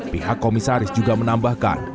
pihak komisaris juga menambahkan